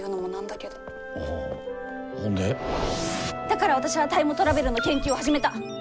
だから私はタイムトラベルの研究を始めた。